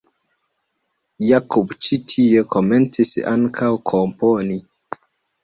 Jakub ĉi tie komencis ankaŭ komponi.